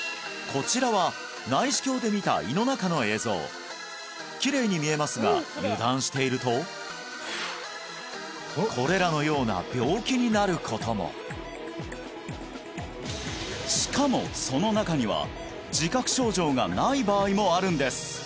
こちらは内視鏡で見た胃の中の映像きれいに見えますが油断しているとこれらのような病気になることもしかもその中には自覚症状がない場合もあるんです